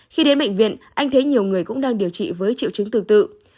khi đến bệnh viện anh thấy nhiều người cũng đang điều trị với triệu chứng tương tự